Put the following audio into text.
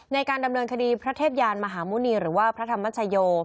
ในการดำเนินคดีพระเทพยานมหาหมุณีหรือว่าพระธรรมชโย